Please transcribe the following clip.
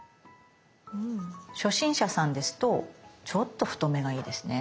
初心者さんですとちょっと太めがいいですね。